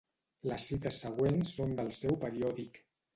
Les cites següents són del seu periòdic.